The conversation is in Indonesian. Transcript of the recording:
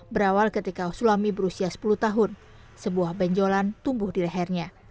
berawal ketika sulami berusia sepuluh tahun sebuah benjolan tumbuh di lehernya